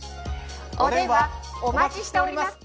お電話お待ちしております。